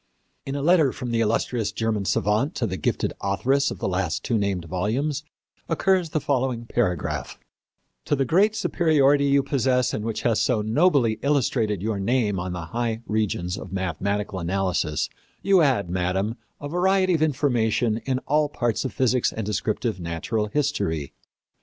In a letter from the illustrious German savant to the gifted authoress of the two last named volumes occurs the following paragraph: "To the great superiority you possess and which has so nobly illustrated your name on the high regions of mathematical analysis, you add, Madam, a variety of information in all parts of physics and descriptive natural history.